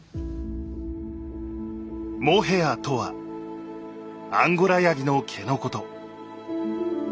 モヘアとはアンゴラやぎの毛のこと。